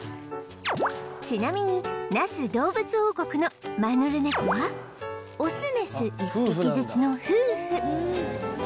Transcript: ちなみに那須どうぶつ王国のマヌルネコはオスメス１匹ずつの夫婦